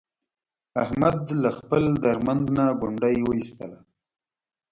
احمد له خپل درمند نه ګونډی و ایستلا.